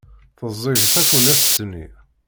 Teẓẓeg tafunast-nni.